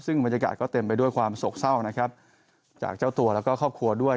ซึ่งบรรยากาศก็เต็มไปด้วยความโศกเศร้านะครับจากเจ้าตัวแล้วก็ครอบครัวด้วย